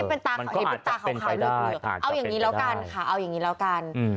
เออมันก็อาจจะเป็นไปได้เอาอย่างนี้แล้วกันค่ะเอาอย่างนี้แล้วกัน